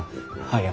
はい。